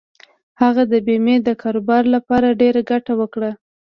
هغه د بېمې د کاروبار له لارې ډېره ګټه وکړه.